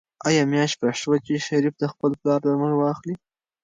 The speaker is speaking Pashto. آیا میاشت پوره شوه چې شریف د خپل پلار درمل واخلي؟